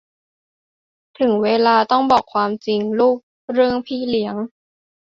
ถึงเวลาต้องบอกความจริงลูกเรื่องพี่เลี้ยง